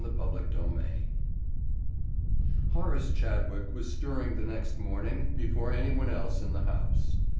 Chapter Sixteen Horace Chadwick was stirring the next morning before anyone else in the house.